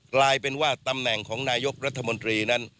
กลายเป็นว่าตำแหน่งของนายกรัฐมนตรีนั้น